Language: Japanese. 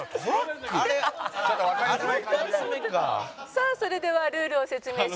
さあそれではルールを説明します。